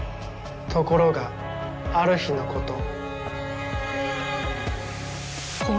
ところがある日のこと。